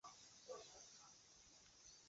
博尔恩哈根是德国图林根州的一个市镇。